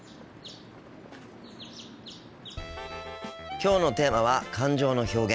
きょうのテーマは感情の表現。